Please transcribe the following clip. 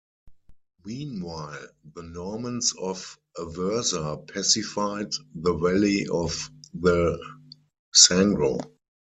Meanwhile, the Normans of Aversa pacified the valley of the Sangro.